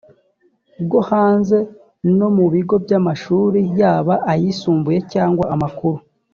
bwo hanze no mu bigo by amashuri yaba ayisumbuye cyangwa amakuru